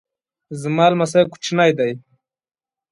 زما لمسی کوچنی دی